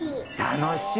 楽しい。